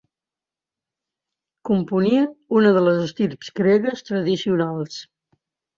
Componien una de les estirps gregues tradicionals.